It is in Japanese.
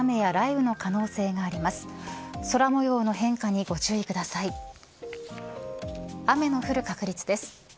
雨の降る確率です。